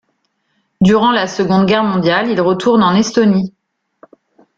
Durant la Seconde Guerre mondiale, il retourne en Estonie.